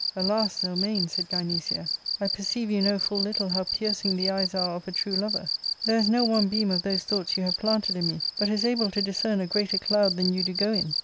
" Alas ! Zelmane," said Gynecia, " I perceive you know full little how piercing the eyes are of a true lover ; there is no one beam of those thoughts you have planted in me but is able to discern a greater cloud than you do go in.